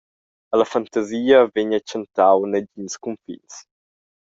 Alla fantasia vegn ei tschentau negins cunfins.